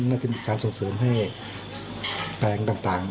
น่าจะมีการส่งเสริมให้แปลงต่าง